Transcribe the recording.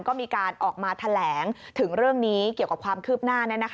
ก็มีการออกมาแถลงถึงเรื่องนี้เกี่ยวกับความคืบหน้า